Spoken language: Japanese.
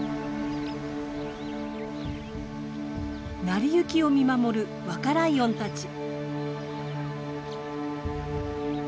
成り行きを見守る若ライオンたち。